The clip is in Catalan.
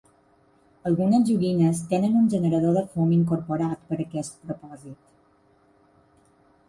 Algunes joguines tenen un generador de fum incorporat per aquest propòsit.